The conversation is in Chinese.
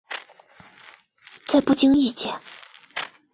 在不经意间